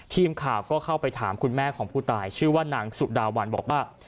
ทีมข่าวก็เข้าไปถามคุณแม่ของผู้ตายชื่อว่านางสุดาวันบอกว่า